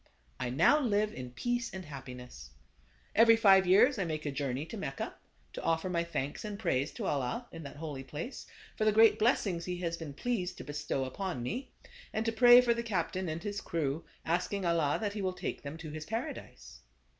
I now live in peace and happiness. Every five 12 G THE CARAVAN. years I make a journey to Mecca, to offer my thanks and praise to Allah, in that holy place, for the great blessings he has been pleased to bestow upon me ; and to pray for the captain and his . crew, asking Allah that he will take them to his Paradise.